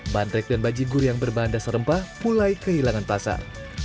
bandrek dan bajigur yang berbahanda serempah pulai kehilangan pasar